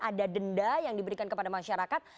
ada denda yang diberikan kepada masyarakat